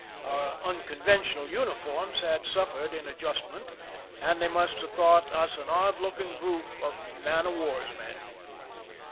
Our unconventional uniforms had suffered in adjustment, and they must have thought us an odd looking group of man of war's men.